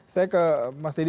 saya ke mas didi